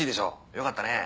よかったね。